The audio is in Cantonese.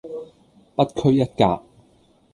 不拘一格